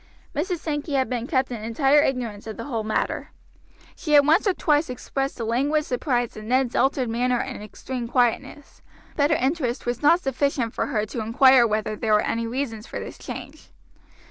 Mrs. Sankey had been kept in entire ignorance of the whole matter. She had once or twice expressed a languid surprise at Ned's altered manner and extreme quietness; but her interest was not sufficient for her to inquire whether there were any reasons for this change.